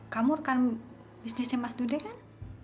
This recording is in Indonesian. kamu rekan bisnisnya mas dude kan